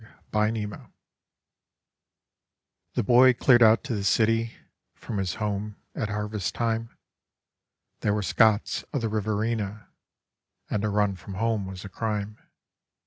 9 Autoplay The boy cleared out to the city from his home at harvest time They were Scots of the Riverina, and to run from home was a crime.